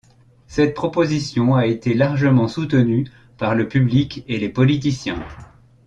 Cette proposition a été largement soutenue par le public et les politiciens.